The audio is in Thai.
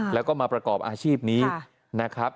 แล้วก็มาประกอบอาชีพนี้นะครับ